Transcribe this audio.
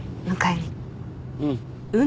うん。